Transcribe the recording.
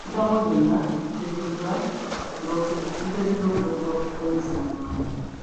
Emisango gyonna giteekeddwa okuloopebwa ku poliisi mu bwangu.